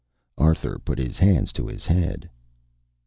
Arthur put his hands to his head.